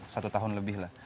satu tahun lebih lah